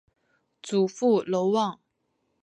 祖父娄旺。